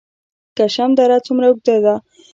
کشم دره څومره اوږده ده؟